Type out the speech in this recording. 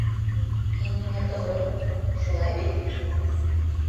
Һин миңә тоғро, шулай бит?